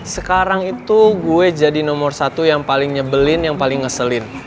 sekarang itu gue jadi nomor satu yang paling nyebelin yang paling ngeselin